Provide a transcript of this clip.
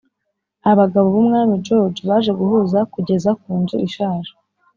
abagabo b'umwami george baje guhuza, kugeza ku nzu ishaje.